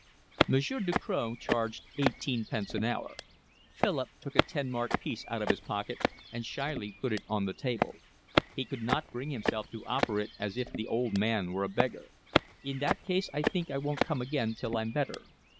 Monsieur Ducroz charged eighteen pence an hour. Philip took a ten mark piece out of his pocket and shyly put it on the table. He could not bring himself to offer it as if the old man were a beggar. "In that case I think I won't come again till I'm better."